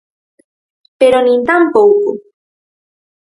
Pero nin tan pouco.